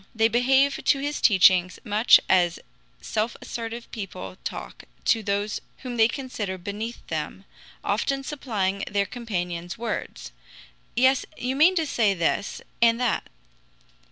They behave to his teaching much as self assertive people talk to those whom they consider beneath them, often supplying their companions' words: "Yes, you mean to say this and that."